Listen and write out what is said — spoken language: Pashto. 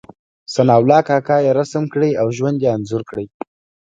ثناء الله کاکا يې رسم کړی او ژوند یې انځور کړی.